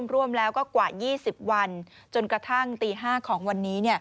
ร่วมแล้วก็กว่า๒๐วันจนกระทั่งตี๕ของวันนี้